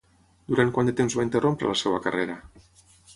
Durant quant de temps va interrompre la seva carrera?